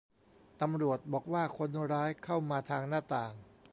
ตำรวจบอกว่า คนร้ายเข้ามาทางหน้าต่าง